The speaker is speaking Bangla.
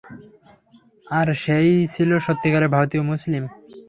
আর সে-ই ছিল সত্যিকারের ভারতীয় মুসলিম।